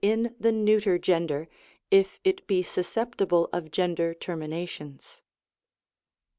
neuter gender, if it be susceptible of gender termina tions.